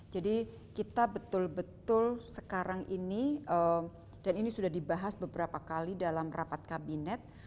jadi kita betul betul sekarang ini dan ini sudah dibahas beberapa kali dalam rapat kabinet